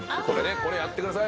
これやってください。